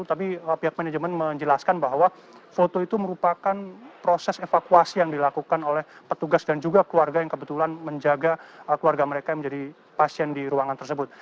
tapi pihak manajemen menjelaskan bahwa foto itu merupakan proses evakuasi yang dilakukan oleh petugas dan juga keluarga yang kebetulan menjaga keluarga mereka yang menjadi pasien di ruangan tersebut